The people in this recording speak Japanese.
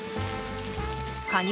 カニ